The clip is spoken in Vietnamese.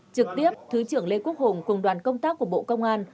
trực tiếp thứ trưởng lê quốc hùng cùng đoàn công tác của bộ công an